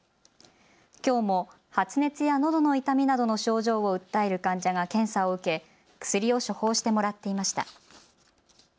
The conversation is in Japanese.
きょうも発熱やのどの痛みなどの症状を訴える患者が検査を受け薬を処方してもらっていました。